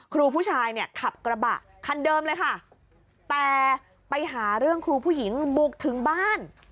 ครูผู้ชายเนี่ยขับกระบะคันเดิมเลยค่ะแต่ไปหาเรื่องครูผู้หญิงบุกถึงบ้าน